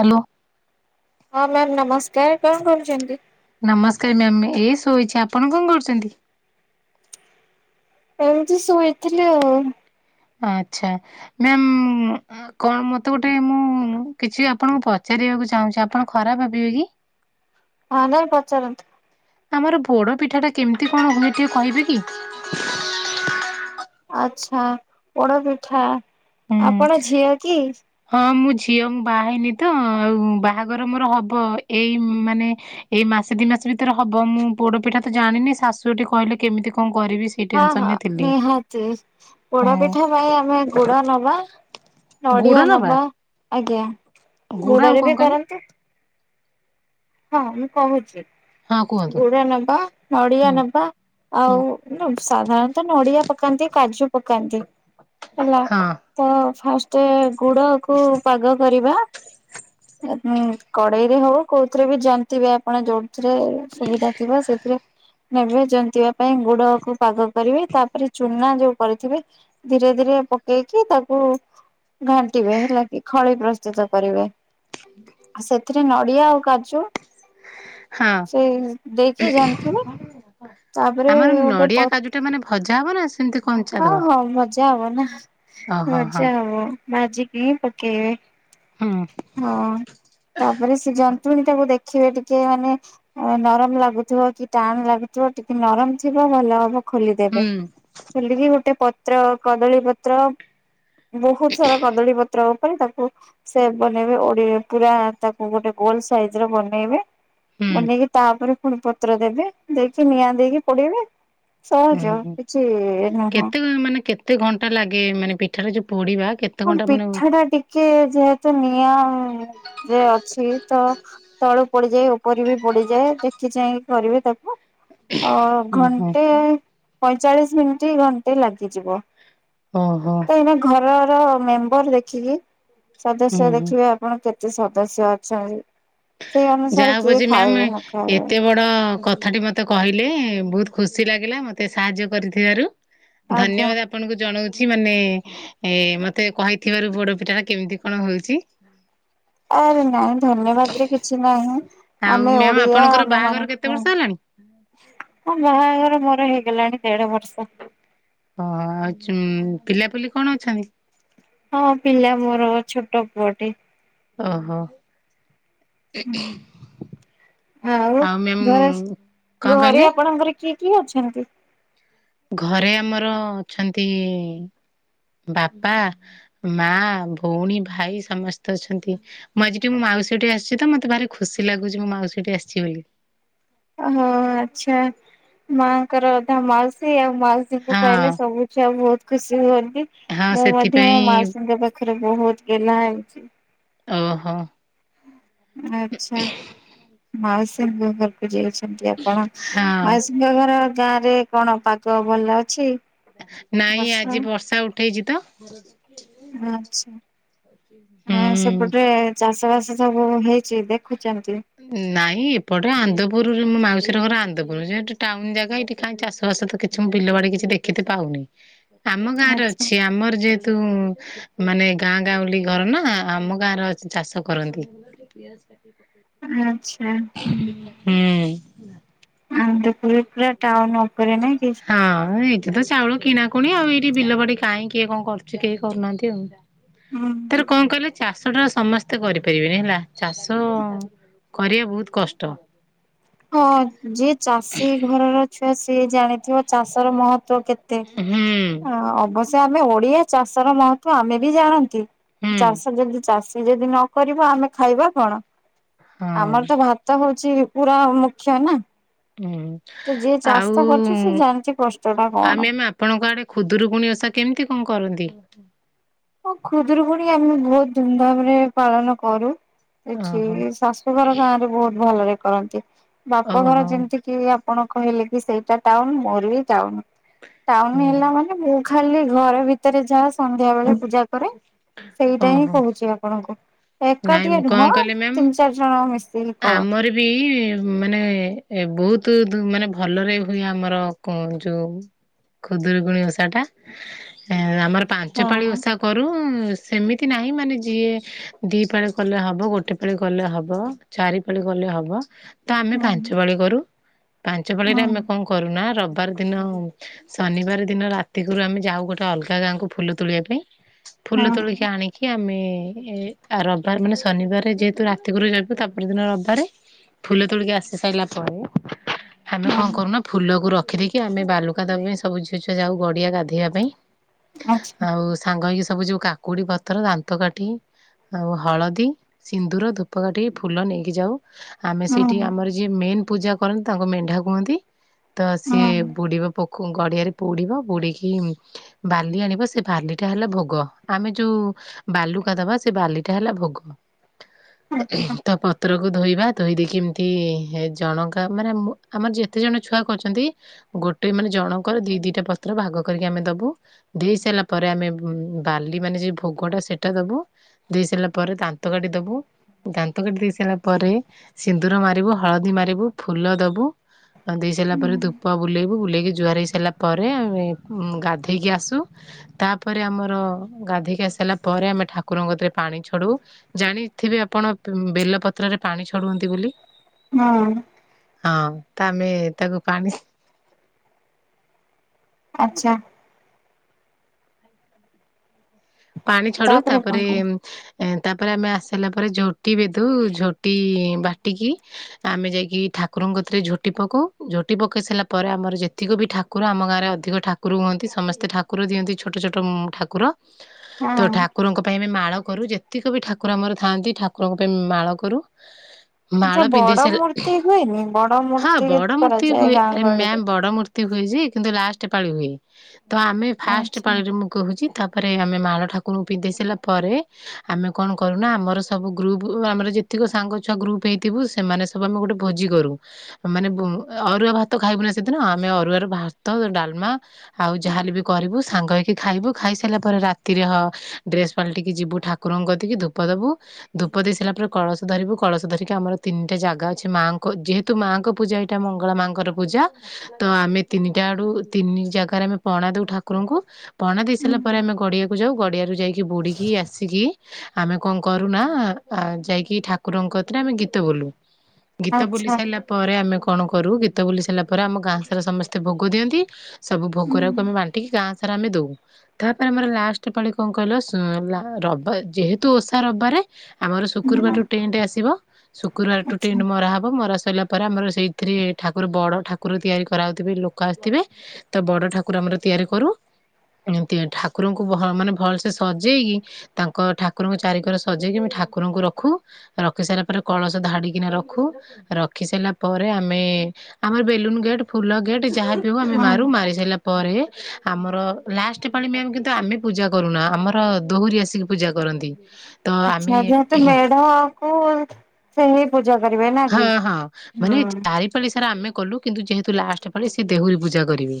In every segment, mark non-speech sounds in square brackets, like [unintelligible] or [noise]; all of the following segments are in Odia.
ହାଲୋ। ତ ମ୍ୟାମ ନମସ୍କାର କଣ କରୁଛନ୍ତି? ନମସ୍କାର ମ୍ୟାମ ଏ ଶୋଇଛି ଆପଣ କଣ କରୁଛନ୍ତି? ଏମିତି ଶୋଇଥିଲି ଆଉ। ଆଚ୍ଛା ମ୍ୟାମ୍ ମୁଁ ଆ, କଣ ମୋତେ ଗୋଟେ ମୁଁ କିଛି ଆପଣଙ୍କୁ ପଚା କରିବାକୁ ଚାହୁଁଛି ଆପଣ ଖରାପ ଭାବିବେ କି? ହଁ ନାଇ ପାଚାରନ୍ତୁ। ଆମର ପୋଡପିଠା ଟା କେମିତି କଣ ହୁଏ ଟିକେ କହିବେ କି? ଆଚ୍ଛା ପୋଡ ପିଠା। ହୁଁ ଆପଣ ଝିଅ କି? ହଁ ମୁଁ ଝିଅ ମୁଁ ବାହା ହେଇନି ତ, ଆଉ ବାହାଘର ମୋର ହବ। ଏଇ ମାନେ ଏଇ ମା ସେ ଦି ମାସ ଭିତରେ ହବ। ମୁଁ ପୋଡ଼ପିଠା ତ ଜାଣିନି ଶାଶୁ ଘଟିି କହିଲେ କେମିତି କଣ କରିବି ସେଇ ହଁ, ଟେନସନ ହଁ ରେ ଥିଲି ନିହାତି ହଁ ପୋଡପିଠା ପାଇଁ ଆମେ ଗୁଡ ନବା। ନଡିଆ ନବା ଆଜ୍ଞା ଗୁଡ ଆଉ ଗୁଡରେ କଣ ବି କହିଲେ କରନ୍ତି। ହଁ ମୁଁ କହୁଛି ହଁ କୁହନ୍ତୁ ଗୁଡ ନବା, ନଡିଆ ହୁଁ ନବା ହୁଁ ଆଉ ନୁ-ସାଧାରଣତଃ ନଡିଆ ପକାନ୍ତି, କାଜୁ ପକାନ୍ତି। ହେଲା ହଁ ତ ଫାଷ୍ଟ ଗୁଡ କୁ ପାଗ କରିବା। ହଁ। ଏ ଉଁ, କଡେଇରେ ହଉ କୋଉଥିରେ ବି ଜନ୍ତିବେ। ଆପଣ ଯୋଉଥିରେ ସୁବିଧାଥିବ ସେଥିରେ ନେବେ ଜନ୍ତିବା ପାଇଁ ଗୁଡକୁ ପାଗ କରିବେ ତାପରେ ଚୁନା ଯୋଉ କରିଥିବେ ଧୀରେ ଧୀରେ ଏ ପକେଇକି ତାକୁ ଘାଣ୍ଟିବେ, ହେଲା କି ଖଳି ପ୍ରସ୍ତୁତ କରିବେ। ଆ ସେଥିରେ ନଡିଆ ଆଉ କାଜୁ ହଁ। ସେଇ ଦେଇକି ଜନ୍ତିବେ। ତାପରେ ଆମର ଗୋଟେ ନଡିଆ ପ-, କାଜୁ ଟା ମାନେ ଭଜା ହବ ନା ସେମିତି କଞ୍ଚା ହଁ ଦବା? ହଁ ଭଜା ହବ ନା। ଓହୋ ହଁ ଭଜା ହବ, ଭାଜିକି ପକେଇବେ। ହୁଁ ହଁ ତାପରେ ସେ ଯନ୍ ପୁଣି ତାକୁ ଦେଖିବେ ଟିକେ ମାନେ ଅ, ନରମ ଲାଗୁଥିବ କି ଟାଣ ଲାଗୁଥିବ। ଟିକେ ନରମ ଥିବ ହଁ ଭଲ ହବ ଖୋଲିଦେବେ। ହୁଁ ଖୋଲିକି ଗୋଟେ ପତ୍ର କଦଳୀ ପତ୍ର ବହୁତ ସାରା କଦଳୀ ପତ୍ର ଉପରେ ତାକୁ ସେ ବନେଇବେ ଓଡି ପୁରା ତାକୁ ଗୋଟେ ଗୋଲ ସାଇଜ ର ବନେଇବେ। ହୁଁ ବନେଇକି ତାପରେ ପୁଣି ପତ୍ର ଦେବେ ଦେଇକି ନିଆଁ ଦେଇକି ପୋଡିବେ। ଓ ସହଜ ହଁ କିଛି ନୁହଁ କେତେ ମାନେ କେତେ ଘଣ୍ଟା ଲାଗେ ଏ ମାନେ ପିଠାରେ ଯୋଉ ପୋଡିବା କେତେ ହଁ ଘଣ୍ଟା ମାନେ ପିଠା ଟା ଟିକେ ଯେହେତୁ ନିଆଁ ରେ ଅଛି ତ ତଳୁ ପୋଡିଯାଏ, ଉପରେ ବି ପୋଡିଯାଏ। ଦେଖି ଚାହିଁ କରିବେ ତାକୁ। ଅ, ଓହୋ ଘଣ୍ଟେ ପଇଁଚାଳିଶ ମିନିଟ୍ ଘଣ୍ଟେ ଲାଗିଯିବ। ଓହୋ ତ ଏଇନା ଘରର ମେମ୍ବର୍ ଦେଖିକି ହୁଁ ସଦସ୍ୟ ହୁଁ ଦେଖିବେ ଆପଣ କେତ ତେ ସଦସ୍ୟ ଅଛନ୍ ଯାହା ହଉ ପଛେ ମ୍ୟାାମ୍ ଏତେ ବଡ କ ଥାଟି ମୋତେ କହିଲେ ବହୁତ ଖୁସି ଲାଗିଲା। ମୋତେ ସାହାଯ୍ୟ କରିଥିବାରୁ ଆଜ୍ଞା ଧନ୍ୟବାଦ ଆପଣଙ୍କୁ ଜଣଉ ଛି, ମାନେ ଏ ମତେ କହିଥିବାରୁ ପୋଡପିଠା ଟା କେମିତି କଣ ହଉଛି। ଆରେ ନାଇଁ ଧନ୍ୟବାଦ ରେ କିଛି ନାହିଁ। ଆଉ ଆମେ ମ୍ୟାମ ଓଡିଆ ଆପଣଙ୍କର ଆମ ବାହାଘର ମାନଙ୍କ କେତେ ପାଇଁ, ବର୍ଷ ହେଲାଣି? ହଁ ବାହାଘର ମୋର ହେଇଗଲାଣି ଦେଢ ବର୍ଷ। ଓ ଆଉ ଚୁଁ, ପିଲାପଲିି କଣ ଅଛନ୍ତି? ହଁ ପିଲା ମୋର ଛୋଟ ପୁଅଟି। ଓହୋ! ଆଉ ଘରେ କଣ ଘରେ କହିଲେ? ଆପଣଙ୍କର କିଏ କିଏ ଅଛନ୍ତି? ଘରେ ଆମର ଅଛନ୍ତି ବାପା, ମା, ଭଉଣୀ ଭାଇ ସମସ୍ତେ ଅଛନ୍ତି। ମୁଁ ଆଜି ଟିକ ମୋ ମା ମାଉସୀଠି ଆସିଛି ତ ମୋତେ ଭାରି ଖୁସି ଲାଗୁଛି ମୁଁ ମାଉସୀଠି ଆସିଛି ବୋଲି। ଓହୋ! ଆଚ୍ଛା ମାଆଙ୍କର ଅଧା ମାଉସୀ ଆଉ। ମାଉସୀଙ୍କୁ ପାଇଲେ ହଁ ସବୁ ଛୁଆ ବହୁତ ଖୁସି ହୁଅନ୍ତି। ହଁ ମୁଁ ମଧ୍ୟ ମୋ ସେଥିପାଇଁ ମାଉସୀଙ୍କ ପାଖ ରେ ବହୁତ ଗେହ୍ଲା ହେଉଛି। ଓ ହୋ। ଆଚ୍ଛା। ମାଉସୀଙ୍କ ଘରକୁ ଯାଇଛ? ଯଦି ଆପଣ, ହଁ। ମାଉସୀଙ୍କ ଘର ଗାଁ ରେ କଣ ପାଗ ଭଲ ଅଛି? ନାଇଁ ବର୍ଷା? ଆଜି ବର୍ଷା ଉଠେଇଚି ତ। ଆଚ୍ଛା। ହଁ ହୁଁ। ସେପଟେ ଚାଷ ବାସ ସବୁ ହେଇଛି ଦେଖୁ ନାଇଁ ଏପଟେ ଆନ୍ଦପୁରରେ ମୋ ମାଉ ସୀର ଘର ଆନ୍ଦପୁର। ସେ ସେଠି ଟାଉନ ଜାଗା, ଇଠି କାଇଁ ଚାଷ ବାସ ତ କିଛି ମୁଁ ବିଲ ବାଡି କିଛି ଦେଖିତେ ପାଉନି ଆମ ଗାଁରେ ଆଚ୍ଛା। ଅଛି। ଆମର ଯେହେତୁ ମାନେ ଗାଁ ଗାଉଁଲି ଘର ନା, ଆମ ଗାଁରେ ଅଛି ଚାଷ କରନ୍ତି। ଆଚ୍ଛା। ହୁଁ। ହୁଁ। ଆନ୍ଦପୁର ପୁରା ଟାଉନ ଉପରେ ନାଇଁ କି? ଏ ତ ଚାଉଳ କିଣା କୁଣି ଆଉ ଏଇଠି ବିଲବାଡି କାହିଁ କିଏ କଣ କରୁଚି କେହି କରୁନାହାଁନ୍ତି ଆଉ। ହୁଁ ତାର ହୁଁ। କଣ କହିଲେ ଚାଷ ଟା ସମସ୍ତେ କରିପାରିବେନି ହେଲା। ଚାଷ କରିବା ବହୁତ କଷ୍ଟ। ହଁ ଯିଏ ଚାଷୀ ଘରର ଛୁଆ ସିଏ ଜାଣିଥିବ ଚାଷର ମହତ ତ୍ତ୍ୱ କେତେ? ହୁଁ ଅବଶ୍ୟ ଆମେ ଓଡିଆ ଚାଷର ମହତ୍ତ୍ୱ ଆମେ ବି ଜାଣନ୍ତି ହୁଁ ଚାଷ ଯଦି ଚାଷୀ ଯଦି ନକରିବ ଆମେ ଖାଇବା କଣ? ହଁ ଆମର ତ ଭାତ ହଉଛି ପୁରା ମୁଖ୍ୟ ନା। ହୁଁ। ତ ଯିଏ ଚାଷ ଆଉ କରୁଛି ସେ ଜାଣିଛି କଷ୍ଟ ଟା କଣ? ଆମେ ଆମେ ଆପଣଙ୍କ ଆଡେ ଖୁଦୁରୁକୁୁଣି ଓଷା କେମିତି କଣ କରନ୍ତି? ହଁ ଖୁଦୁରୁକୁଣୀ ଆମେ ବହୁତ ଧୁମଧାମରେ ପାଳନ କରୁ। ଏଠି ଓହୋ। ଶାଶୂଘର ଗାଁରେ ବହୁତ ଭଲରେ କରନ୍ତି। ବାପଘର ଓହୋ ଯେମତି କିି ଆପଣ କହିଲେ କି ସେଇଟା ଟାଉନ ମୋର ବି ଟାଉନ। ଟାଉନ ହେଲା ମାନେ ଖାଲି ଘର ଭିତରେ ଯାହା ସନ୍ଧ୍ୟା ବେଳେ ପୂଜା କରେ ସେଇଟା ହିଁ ଓହୋ କହୁଛି ଆପଣଙ୍କୁ। ନାଇଁ ଏକାଟିଏ ମୁଁ କଣ ନୁହଁ କହିଲି ମ୍ୟାାମ, ତିନି ଚାରି ଜଣ ମିଶିକି କର। ଆମର ବି ମାନେ ବହୁତ ତୁ ତୁ ମାନେ ଭଲରେ ହୁଏ ଆମର କଣ ଯୋଉ ଖୁଦୁରୁକୁଣୀ ଓଷାଟା। ଆମର ପାଞ୍ଚ ହଁ ପାାଳି ହଁ ଓଷା କରୁ ସେମିତି ନାହିଁ ମାନେ ଯିଏ ଦି ପାଳି କଲେ ହବ, ଗୋଟେ ପାଳି କଲେ ହବ, ଚାରି ପାଳି କଲେ ହବ, ତ ଆମେ ହୁଁ ପାଞ୍ଚ ପାଳି କରୁ। ପାଞ୍ଚ ପାଳିରେ ହୁଁ ଆମେ କଣ କରୁନା ରବ୍ ରବବାର ଦିନ ଶନିବାର ଦିନ ରାତିକୁରୁ ଆମେ ଯାଉ ଗୋଟେ ଅଲଗା ଗାଁକୁ ଫୁଲ ତୋଳିବା ପାଇଁ ଫୁଲ ହୁଁ ତୋଳିକି ଆଣିକି ଆମେ ଏ ରବିବାର ମାନେ ଶନିବାରରେ ଯେହେତୁ ରାତିକରୁ ଯାଉଛୁ ତା ପରଦିନ ରବିବାରେ ଫୁଲ ତୋଳିକି ଆସି ସାଇଲା ପରେ ଆମେ କଣ ହୁଁ କରୁନା, ଫୁଲକୁ ରଖ ରଖିଦେଇକି ଆମେ ବାଲୁକା [unintelligible] ସବୁ ଝିଅ ଛୁଆ ଯାଉ ଗଡିଆ ଗାଧେଇଆ ପାଇଁ ଆଚ୍ଛା ଆଉ ସାଙ୍ଗ ହେଇକି ସବୁ ଯୋଉ କାକୁଡି ପତ୍ର, ଦାନ୍ତ କାଠି ଆଉ ହଳଦୀ, ସିନ୍ଦୁର, ଧୂପକାଠି, ଫୁଲ ନେଇକି ଯାଉ ଆମେ ହୁଁ ସେଇଠି ଆମର ଯିଏ ମେନ୍ ପୂଜା କରନ୍ତି ତାଙ୍କ ମେଣ୍ଢା କୁହନ୍ତି। ତ ହୁଁ ସିଏ ବୁଡିବ ପୋଖ ଗଡିଆରେ ବୁଡିବ, ବୁଡିକି ବାଲି ଆଣିବ ସେ ବାଲିଟା ହେଲା ଭୋଗ। ଆମେ ଯୋଉ ବାଲୁକା ଦବା, ସେ ବାଲିଟା ହେଲା ଭୋଗ। ଆଚ୍ଛା ତ ପତ୍ରକୁ ଧୋଇବା ଧୋଇ ଦେଇକି ଏମତି ଜଣଙ୍କା ମାନେ ଆମ ଆମର ଯେତେ ଜଣ ଛୁଆ କରୁଛନ୍ତି ଗୋଟେ ମାନେ ଜଣଙ୍କର ଦି ଦିଟା ପତ୍ର ଭାଗ କରିକି ଆମେ ଦବୁ, ଦେଇସାଇଲା ପ ପରେ ଆମେ ଉଁ ବାଲି ମାନେ ଯୋଉ ଭୋଗଟା ସେଟା ଦବୁ, ଦେଇ ସାରିଲା ପରେ ଦାନ୍ତ କାଟି ଦବୁ ଦାନ୍ତ କାଟି ଦେଇ ସାରିଲା ପରେ ସିନ୍ଦୁର ମାରିବୁ, ହଳଦୀ ମାରିବୁ, ଫୁଲ ଦବୁ ଦେଇ ସାଇଲା ହୁଁ ପରେ, ଧୂପ ବୁଲେଇବୁ ବୁଲେଇକି ଜୁହାର ହେଇ ସାରିଲା ପରେ, ଆମେ ଗାଧେଇକି ଆସୁ ତାପରେ ଆମର ଗାଧେଇକି ଆସି ସାଇଲାପରେ ଆମେ ଠାକୁରଙ୍କ କତିରେ ପାଣି ଛଡଉ, ଜାଣିଥିବେ ଆପଣ କଣ ବେଲପତ୍ରରେ ପାଣି ଛଡଉଅନ୍ତି ବୋଲି। ହଁ। ହଁ ତ ଆମେ ତାକୁ ପାଣି ଆଚ୍ଛା। ପାଣି ଛଡଉ ତାପରେ କଣ କଣ ଏ ତାପରେ ଆମେ ଆସିଲା ପରେ ଝୋଟି ବିଧୁ ଝୋଟି ବାଟିକି ଆମେ ଯାଇକି ଠାକୁର ସବୁଥିରେ ଝୋଟି ପକଉ। ଝୋଟି ପକେଇ ସାରିଲା ପରେ ଆମର ଯେତିକି ବି ଠାକୁର ଆମ ଗାଁରେ ଅଧିକ ଠାକୁର ହୁଅନ୍ତି ସ ସମସ୍ତେ ଠାକୁର ଦିଅନ୍ତି ଛୋଟ ଛୋଟ ଠାକୁର। ତ ହଁ। ଠାକୁରଙ୍କ ପାଇଁ ଆମେ ମା ମାଳ କରୁ ଯେତିକ ବି ଠାକୁର ଆମର ଥାଆନ୍ତି ଠାକୁରଙ୍କ ପାଇଁ ମାଳ କରୁ। ମାଳ ଆଚ୍ଛା ପିନ୍ଧି ବଡ ସାରିଲା ମୂର୍ତ୍ତି ହୁଏନି ବଡ ହଁ ମୂର୍ତ୍ତି ବଡ ମୂର୍ତ୍ତି କରାଯାଏ ହୁଏ, ଗାଁ ଗହଳିରେ। ମ୍ୟାାମ ବଡ ମୂର୍ତ୍ତି ହୁଏ। କହୁଚି ଲାଷ୍ଟ ପା ହୁଏ ତ ଆମେ ଫାଷ୍ଟ ଆଚ୍ଛା ପାରେ ମୁଁ କହୁଚି ତା ପରେ ଆମେ ମାଳ ଠାକୁରଙ୍କୁ ପିନ୍ଧେଇ ସାରିଲା ପରେ ଆମେ କଣ କରୁନା ଆମର ସବୁ ଗ୍ରୁପ ଆମର ଯେତି କି ସାଙ୍ଗ ଛୁଆ ଗ୍ରୁପ ହେଇଥିବୁ ସେମାନେ ସବୁ ଆମେ ଗୋଟେ ଭୋଜି କରୁ। ମାନେ ଅରୁଆ ଭାତ ଖାଇବୁନା ସେଦିନ ଆମେ ଅରୁଆରୁ ଭାତ ଡାଲମା ଆଉ ଯାହାଲେ ବି କରିବୁ ସାଙ୍ଗ ହେଇକି ଖାଇବୁ ଖାଇସାରି ଲା ପରେ ରାତିରେ ହଁ ଡ୍ରେସ ପାଲିଟିକି ଯିବୁ ଠାକୁରଙ୍କ ଧୂପ ଦେବୁ। ଧୂପ ଦେଇସାରିଲା ପରେ କଳସ ଧରିବୁ କଳସ ଧରିକି ଆମର ତିନିଟା ଜାଗା ଅଛି ମାଙ୍କ ଯେହେତୁ ମାଙ୍କ ପୂଜା ଏଇଟା ମଙ୍ଗଳା ମାଙ୍କର ପୂଜା ତ ଆମେ ତିନିଟା ଆଡୁ ତିନି ଜାଗାରେ ଆମେ ପଣା ଦଉ ଠାକୁରଙ୍କୁ ପଣା ଦେଇ ସାରିଲା ପରେ ଆମେ ଗଡ଼ିଆକୁ ଯାଉ ଗଡ଼ିଆରୁ ଯାଇକି ବୁଡ଼ିକି ଆସିକି ଆମେ କଣ କରୁନା, ଯାଇକି ଠାକୁରଙ୍କ କତିରେ ଆମେ ଗୀତ ବୋଲୁ। ଗୀତ ବୋଲି ଆଚ୍ଛା ସାରିଲା ପରେ ଆମେ କ କଣ କରୁ ଗୀତ ବୋଲି ସାରିଲା ପରେ ଆମ ଗାଁ ସାରା ସମସ୍ତେ ଭୋଗ ଦିଅନ୍ତି। ସବୁ ଭୋଗରାଗକୁ ଆମେ ବାଣ୍ଟିକି ଗାଁ ସାରା ଆମେ ଦଉ। ତାପରେ ଆମର ଲାଷ୍ଟ ପାଳି କଣ କହିଲ ସ ଯେହେତୁ ଓଷା ରବିବାରେ ଆମର ଶୁକ୍ରବାର ଟୁ ଟେଣ୍ଟ ଆସିବ ଶୁକ୍ରବାର ଟୁ ଆଚ୍ଛା ଟେଣ୍ଟ ମରା ହବ ମରା ସରିଲା ପରେ ଆମର ସେଇ ଏଥିରେ ଠାକୁର ବଡ଼ ଠାକୁର ତିଆରି କରାଯାଉଥିବେ ଲୋକ ଆସିଥିବେ ତ ବଡ ଠାକୁର ଆମେ ତିଆରି କରୁ। [unintelligible] ଠାକୁରଙ୍କୁ ମାନେ ଭଲ ସେ ସଜେଇକି ତାଙ୍କ ଠାକୁରଙ୍କ ଚାରି ଘର ସଜେଇକି ଠାକୁରଙ୍କୁ ର ରଖୁ। ରଖି ସାରିଲା ପରେ କଳସ ଧାଡିକିନା ରଖୁ। ରଖି ସାରିଲା ପରେ ଆମେ ଆମର ବେଲୁନ ଗେଟ୍ ଫୁଲ ଗେଟ୍ ଯାହା ବି ହେଉ ଆମେ ମାରୁ ହଁ। ମାରି ସାରିଲା ପରେ ଆମର ଲାଷ୍ଟ ପାଳି ମ୍ୟାମ କିନ୍ତୁ ଆମେ ପୂଜା କରୁନା। ଆମର ଦେହୁରୀ ଆସିକି ପୂଜା କରନ୍ତି। ତ ଆମେ ଆଚ୍ଛା ଯେହେତୁ ମେଢକୁ ସେଇ ହଁ ହଁ ମାନେ ଚାରିପାଳି ସେରା ଆମେ କଲୁ କିନ୍ତୁ ଯେହେତୁ ଲାଷ୍ଟ ପାଳି ସେ ଦେହୁରୀ ପୂଜା କରିବେ।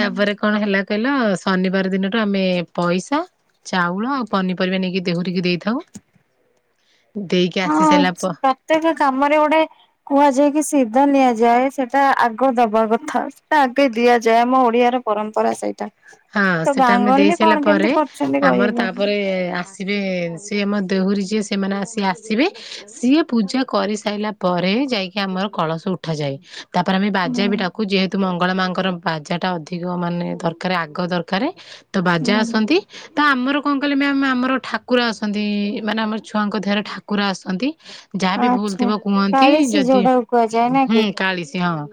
ତାପରେ କଣ ହେଲା କହିଲ ଶନିବାର ଦିନଠୁ ଆମେ ପଇସା ଚାଉଳ ଆଉ ପନିପରିବା ନେଇକି ଦେହୁରୀ କି ଦେଇଥାଉ। [inaudible] ଦେଇକି ଆସି ହଁ ସାରିଲା ପ ପ୍ରତ୍ୟେକ କାମରେ ଗୋଟେ କୁହାଯାଏ କି ସିଧ ନିଆଯାଏ। ସେଟା ଆଗ ଦେବା କଥା। ଟା ଆଗେ ଦିଆଯାଏ ଆମ ଓଡିଆର ପରମ୍ପରା ସେଇଟା। ହଁ ତ ସେଟା ଗାଁ ଆମେ ଦେଇ ଗହଳିରେ ସାରିଲା କଣ କେମିତି ପରେ କରୁଛନ୍ତି ଆମର କହିବେନି ତାପରେ ଆସିବେ ସିଏ ମ ଦେହୁରୀ ଯିଏ ସେମାନେ ଆସି ଆସିବେ। ସିଏ ପୂଜା କରିସାରିଲା ପରେ ଯାଇକି ଆମର କଳସ ଉଠାଯାଏ। ତାପରେ ଆମେ ହୁଁ ବାଜାବି ଡାକୁ ଯେହେତୁ ମଙ୍ଗଳ ମାଙ୍କର ବାଜା ଟା ଅଧିକ ମାନେ ଦର ରେ ଆଗ ଦରକାର ତ ବାଜା ହୁଁ ଆସନ୍ତି। ତ ଆମର କଣ କହିଲେ ମ୍ୟାମ ଆମର ଠାକୁର ଆସନ୍ତି। ଏମାନେ ଆମର ଛୁଆଙ୍କ ଦେହରେ ଠାକୁର ଆସନ୍ତି। ଯାହାବି ଆଚ୍ଛା। ଭୁଲ୍‌‌ଥିବ କୁହନ୍ତି। କାଳିଶୀ ଯଦି ଯୋଉଟାକୁ କୁହାଯାଏ ନା ହୁଁ କି କାଳିଶି, ହଁ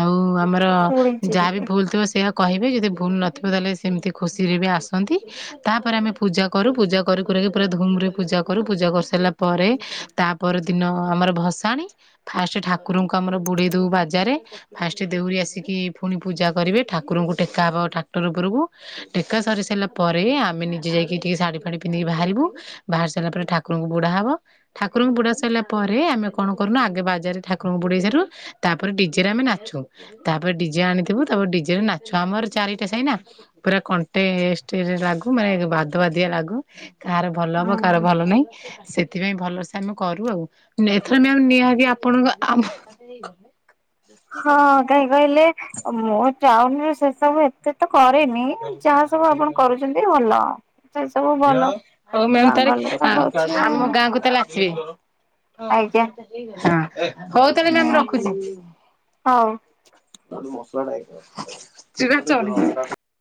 ଆଉ ଆମର ଶୁଣିଛି ଯାହାବି ଟିକେ। ଭୁଲ୍‌‌ଥିବ ସେଇଆ କହିବେ ଯଦି ଭୁଲ୍‌‌ନଥିବ ତାହେଲେ ସେମିତି ଖୁସିରେ ବି ଆସନ୍ତି। ତାପରେ ଆମେ ପୂଜା କରୁ ପୂଜା କରିକୁରି ପୁରା ଧୁମ୍ ପୂଜା କରୁ ପୂଜା କରି ସାରିଲା ପରେ ତାପ ପରଦିନ ଆମର ଭସାଣି ଫାଷ୍ଟ ଠାକୁର ଆମର ବୁଡେଇ ଦଉ ବାଜାରେ। ଫାଷ୍ଟ ଦେହୁରୀ ଆସିକି ପୁଣି ପୂଜା କରିବେ ଠାକୁରଙ୍କୁ ଟେକା ହେବ ଟ୍ରାକ୍ଟର ଉପରକୁ। ଟେକା ସରି ସାରିଲା ପରେ ଆମେ ନିଜେ ଯାଇକି ଟିକେ ଶାଢି ପାଢି ପିନ୍ଧିକି ବାହାରିବୁ ବାହାରି ସାରିଲା ପରେ ଠାକୁରଙ୍କୁୁ ବୁଡା ହବ। ଠାକୁରଙ୍କୁ ବୁଡା ସାରିଲା ପରେ ଆମେ କଣ କରୁନା ଆଗେ ବାଜା ରେ ଠାକୁରଙ୍କୁ ବୁ ବୁଡ଼େଇ ସାରୁ ତାପରେ ଡିଜେରେ ଆମେ ନାଚୁ। ତାପରେ ଡିଜେ ଆଣିଥିବୁ ତାପରେ ଡିଜେ ରେ ନାଚୁ ଆମର ଚାରିଟା ଶାଇ ନା ପୁରା କଣ୍ଟେଷ୍ଟ ରେ ଲାଗୁ ମାନେ ବାଦ ବାଦିଆ ଲାଗୁ। କାହାର ଭଲ ହବ କାହାର ଭଲ ନାହିଁ। ସେଥିପାଇଁ ଭଲସେ ଆମେ କରୁ ଆଉ ଏଥର ଆ ନିହାକ ଆପଣଙ୍କ ହଁ କାହିଁ କହିଲେ ମୋ ଟାଉନ ରୁ ସେସବୁ ସେ ତ କରେନି ଯାହା ସବୁ ଆପଣ କରୁଛନ୍ତି ଭଲ ସେ ସବୁ ଭଲ ହଉ ମ୍ୟାମ ଗାଁ ଗଲେ ତ ହଉଚି ଆଉ। ସେ ହଉ ଆଜ୍ଞା ତାହା ହେଲେ ମେମ୍‌ ନିହାତି ରଖୁଛି। ହଉ। [unintelligible]